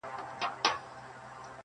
نن به ښکلي ستا په نوم سي ګودرونه٫